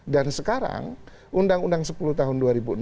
dan sekarang undang undang sepuluh tahun dua ribu enam belas